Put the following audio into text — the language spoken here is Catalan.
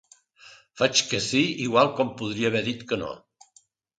Faig que sí igual com li podria haver dit que no.